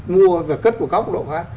mua và cất của góc độ khác